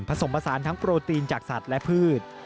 ผสมผสานทั้งโปรตีนจากสัตว์และพืช